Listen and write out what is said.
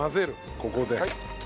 ここで。